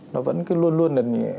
nó vẫn cứ luôn luôn